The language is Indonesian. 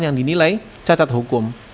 yang dinilai cacat hukum